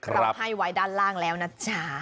เราให้ไว้ด้านล่างแล้วนะจ๊ะ